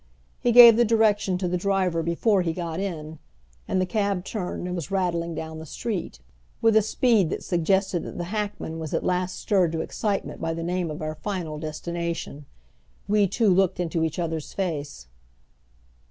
He gave the direction to the driver before he got in, and the cab turned and was rattling down the street, with a speed that suggested that the hackman was at last stirred to excitement by the name of our final destination. We two looked into each other's face.